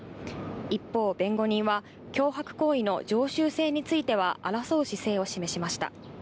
一方、弁護人は、脅迫行為の常習性については、争う姿勢を示しました。